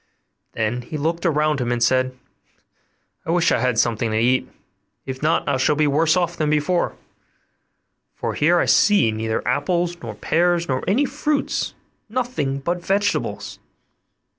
Then he looked around him, and said, 'I wish I had something to eat, if not I shall be worse off than before; for here I see neither apples nor pears, nor any kind of fruits, nothing but vegetables.